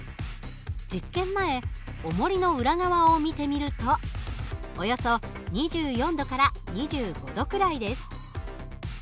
実験前おもりの裏側を見てみるとおよそ２４度から２５度くらいです。